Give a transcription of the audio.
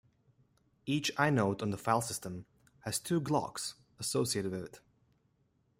Each inode on the filesystem has two glocks associated with it.